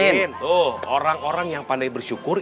oh orang orang yang pandai bersyukur